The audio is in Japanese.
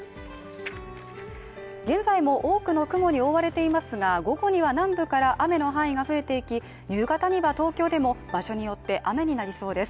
現在も多くの雲に覆われていますが午後には南部から雨の範囲が増えていき夕方には東京でも場所によって雨になりそうです